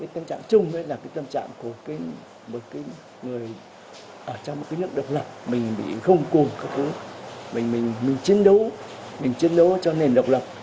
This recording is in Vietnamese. tâm trạng chung là tâm trạng của một người ở trong một nước độc lập mình bị không cùng mình chiến đấu cho nền độc lập